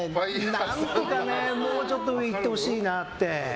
何とかもうちょっと上行ってほしいなって。